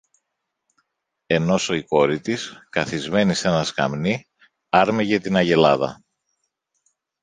ενόσω η κόρη της, καθισμένη σ' ένα σκαμνί, άρμεγε την αγελάδα.